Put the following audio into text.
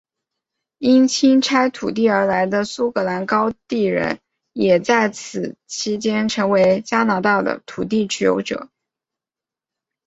因清拆土地而来的苏格兰高地人也在此期间成为加拿大的土地所有者。